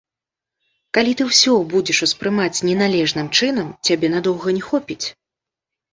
Калі ты ўсё будзеш успрымаць неналежным чынам, цябе надоўга не хопіць.